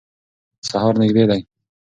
سهار نږدې دی.